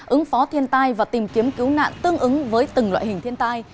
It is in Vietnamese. ứng phó thiên tai và tìm kiếm cứu nạn tương ứng với từng loại hình thiên tai